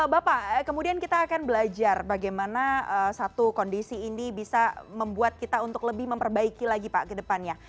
bapak kemudian kita akan belajar bagaimana satu kondisi ini bisa membuat kita untuk lebih memperbaiki lagi pak ke depannya